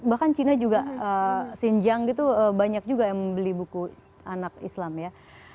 bahkan cina juga xinjiang gitu banyak juga yang membeli buku anak islam ya